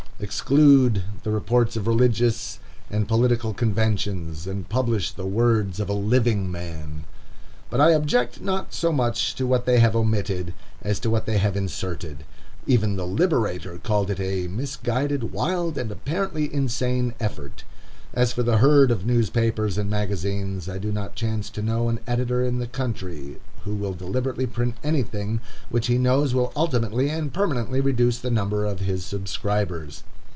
_ Exclude the reports of religious and political conventions, and publish the words of a living man. But I object not so much to what they have omitted, as to what they have inserted. Even the Liberator called it "a misguided, wild, and apparently insane ... effort." As for the herd of newspapers and magazines, I do not chance to know an editor in the country who will deliberately print anything which he knows will ultimately and permanently reduce the number of his subscribers.